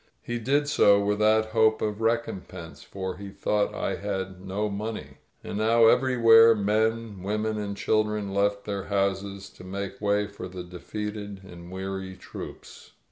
He did so without hope of recompense, for he thought I had no money. And now everywhere men, women and children left their houses to make way for the de feated and weary troops.